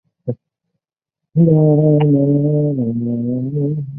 该输入法最早的开发者是软件工程师工藤拓和小松弘幸。